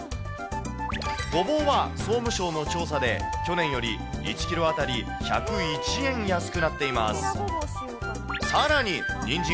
ごぼうは総務省の調査で、去年より１キロ当たり１０１円安くなっています。